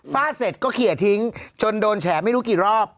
ฟาดเสร็จก็เขียทิ้งจนโดนแฉไม่รู้กี่รอบ